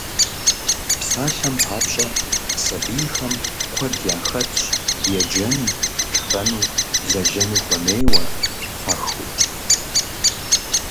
Псалъэм папщӀэ, сабийхэм куэд яхэтщ еджэну, тхэну, лэжьэну хуэмейуэ, щхьэхыу.